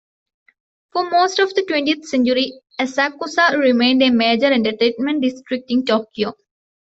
For most of the twentieth century, Asakusa remained a major entertainment district in Tokyo.